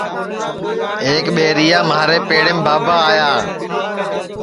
ایک ٻیریا مھارے پیڑیم بابا آیا